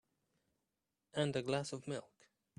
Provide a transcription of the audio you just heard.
And a glass of milk.